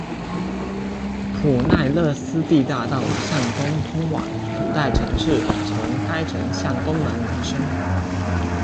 普奈勒斯蒂大道向东通往古代城市从该城向东南延伸。